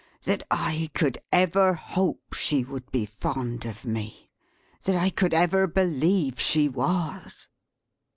That I could ever hope she would be fond of me! That I could ever believe she was!"